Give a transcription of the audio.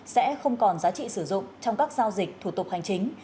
sẽ không còn giá trị sử dụng trong các giao dịch thủ tục hành chính